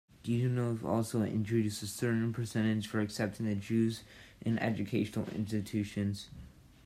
Delyanov also introduced a certain percentage for accepting the Jews in educational institutions.